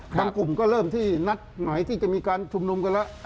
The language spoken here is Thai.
กลุ่มก็เริ่มที่นัดหมายที่จะมีการชุมนุมกันแล้ว